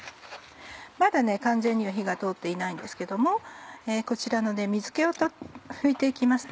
まだ完全には火が通っていないんですけどもこちらの水気を拭いて行きます。